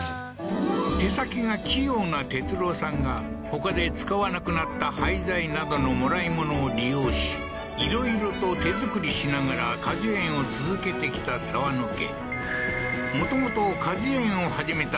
手先が器用な哲郎さんがほかで使わなくなった廃材などのもらいものを利用しいろいろと手作りしながら果樹園を続けてきた澤野家